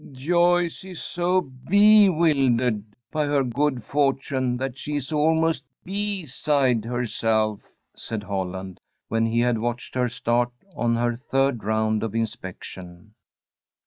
"Joyce is so bee wildered by her good fortune that she is almost bee side herself," said Holland, when he had watched her start on her third round of inspection.